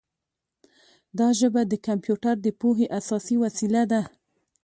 دا ژبه د کمپیوټر د پوهې اساسي وسیله ده.